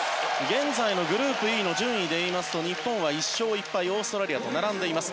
現在のグループＥの順位は日本は１勝１敗とオーストラリアと並んでいます。